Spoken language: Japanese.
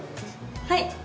はい！